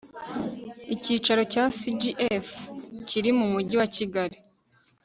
icyicaro cya sgf kiri mu mujyi wa kigali